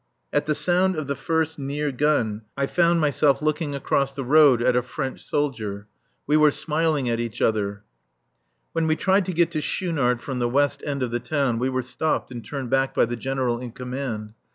At the sound of the first near gun I found myself looking across the road at a French soldier. We were smiling at each other. When we tried to get to Schoonard from the west end of the town we were stopped and turned back by the General in command.